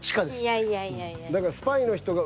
いやいやいやいや。